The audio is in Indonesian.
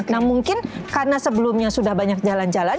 nah mungkin karena sebelumnya sudah banyak jalan jalan